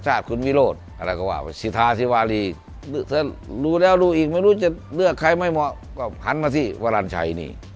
ไม่ให้ต่อแล้วคนใหม่ก็เอาไว้สิ